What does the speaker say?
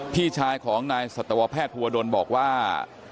พี่ชายของนายสัตวแพทย์ภูวดลบอกว่า